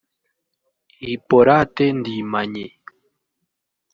Hyporate Ndimanyi